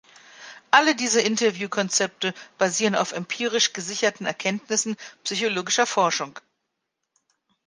Alle diese Interview-Konzepte basieren auf empirisch gesicherten Erkenntnissen psychologischer Forschung.